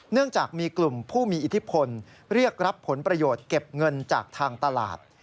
เนื่องจากมีกลุ่มผู้มีอิทธิพลเรียกรับผลประโยชน์เก็บเงินจากทางตลาด